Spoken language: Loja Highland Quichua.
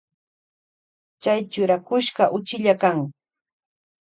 Chay churakushka uchilla kan.